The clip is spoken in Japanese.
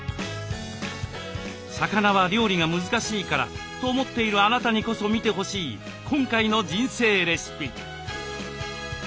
魚は料理が難しいからと思っているあなたにこそ見てほしい今回の「人生レシピ」。